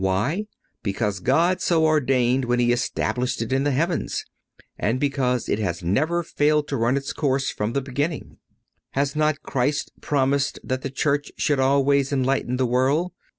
Why? Because God so ordained when He established it in the heavens; and because it has never failed to run its course from the beginning. Has not Christ promised that the Church should always enlighten the world?